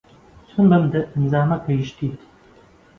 چۆن بەم دەرەنجامە گەیشتیت؟